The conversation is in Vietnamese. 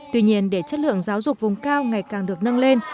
tuy nhiên để chất lượng giáo dục vùng cao ngày càng được nâng lên